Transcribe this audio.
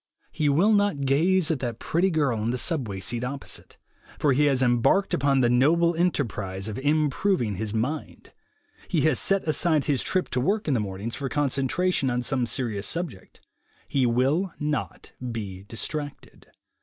He will not gaze at that pretty girl on the subway seat opposite, for he has embarked upon the noble enterprise of im proving his mind; he has set aside his trip to work in the mornings for concentration on some serious subject; he will not be distracted.